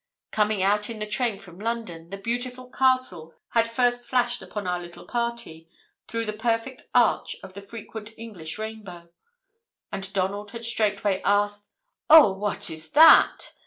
Coming out in the train from London, the beautiful castle had first flashed upon our little party, through the perfect arch of the frequent English rainbow, and Donald had straightway asked, "Oh, what is that?"